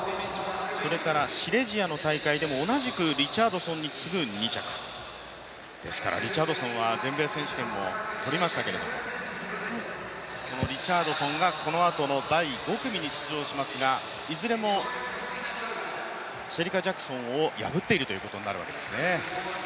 それからシレジアの大会でも同じくリチャードソンに次ぐ２着ですからリチャードソンは全米選手権も取りましたけれどもそのリチャードソンがこのあとの第５組に出場しますが、いずれもシェリカ・ジャクソンを破ってるということになるんですね。